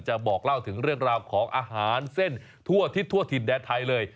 บอกเล่าถึงเรื่องราวของอาหารเส้นทั่วอาทิตย์ทั่วถิ่นแดนไทยเลย